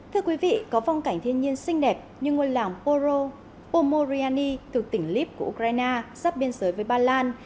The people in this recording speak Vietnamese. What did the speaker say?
thưa quý vị có vòng cảnh thiên nhiên xinh đẹp như ngôi làng poro pomoryany từ tỉnh lip của ukraine sắp biên giới với ba lan